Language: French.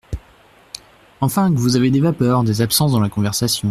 Enfin, que vous avez des vapeurs, des absences dans la conversation…